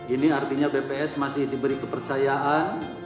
ini artinya bps masih diberi kepercayaan